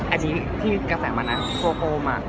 อันนี้ที่กระแสมันอ่ะตัวโฟมอ่ะ